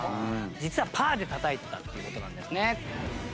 実はパーでたたいてたっていう事なんですね。